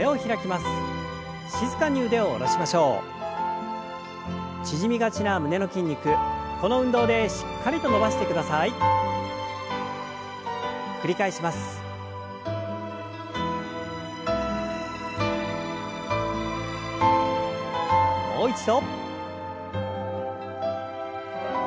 もう一度。